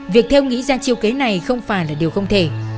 việc thêu nghĩ ra chiêu kế này không phải là điều không thể